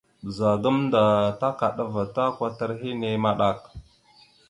Ɓəza gamənda takaɗava ta kwatar nehe maɗak.